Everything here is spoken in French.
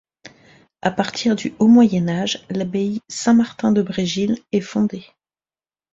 À partir du haut Moyen Âge, l'abbaye Saint-Martin de Bregille est fondée.